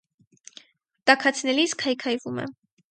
Տաքացնելիս քայքայվում է։